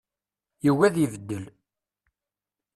Yugi ad ibeddel.